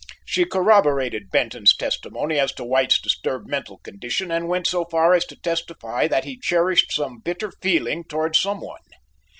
She corroborated Benton's testimony as to White's disturbed mental condition and went so far as to testify that he cherished some bitter feeling towards some one.